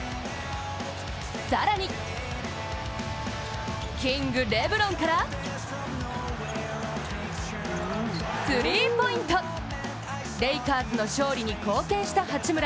更に、キング・レブロンからレイカーズの勝利に貢献した八村。